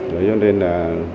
thế cho nên là